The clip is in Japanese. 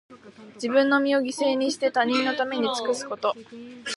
自分の身を犠牲にして、他人のために尽くすこと。